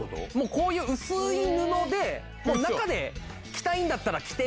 こういう薄い布で中で着たいんだったら着て！